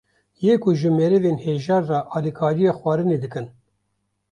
yê ku ji merivên hejar re alîkariya xwarinê dikin